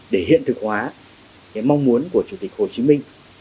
để hiện thực hóa cái mong muốn của chủ tịch hồ chí minh